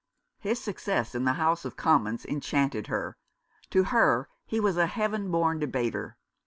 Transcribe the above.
His success in the House of Commons en chanted her. To her, he was a heaven born debater.